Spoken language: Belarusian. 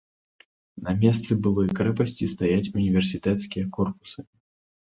На месцы былой крэпасці стаяць універсітэцкія корпусы.